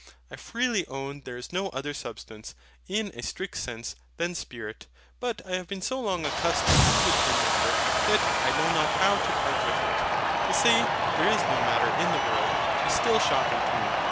I freely own there is no other substance, in a strict sense, than SPIRIT. But I have been so long accustomed to the term MATTER that I know not how to part with it: to say, there is no MATTER in the world, is still shocking to me.